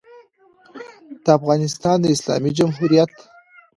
د افغانستان د اسلامي جمهوریت